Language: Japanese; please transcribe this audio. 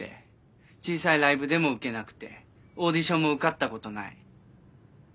小さいライブでもウケなくてオーディションも受かったことない。